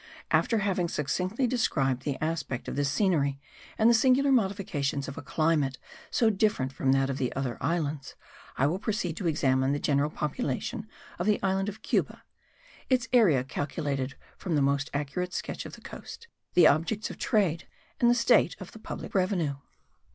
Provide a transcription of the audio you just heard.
After having succinctly described the aspect of this scenery and the singular modifications of a climate so different from that of the other islands, I will proceed to examine the general population of the Island of Cuba; its area calculated from the most accurate sketch of the coast; the objects of trade and the state of the public revenue.